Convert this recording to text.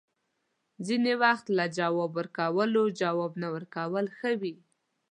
ځینې وخت له جواب ورکولو، جواب نه ورکول ښه وي